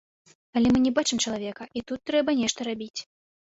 Але мы не бачым чалавека, і тут трэба нешта рабіць.